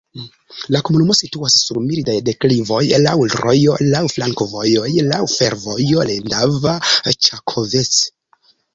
La komunumo situas sur mildaj deklivoj, laŭ rojo, laŭ flankovojoj, laŭ fervojo Lendava-Ĉakovec.